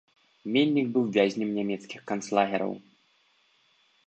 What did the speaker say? Мельнік быў вязнем нямецкіх канцлагераў.